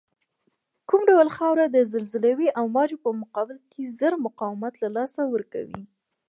کوم ډول خاوره د زلزلوي امواجو په مقابل کې زر مقاومت له لاسه ورکوی